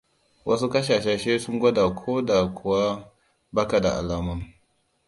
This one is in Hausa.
wasu kasashe sai sun gwada ka koda kuwa baka da alamun.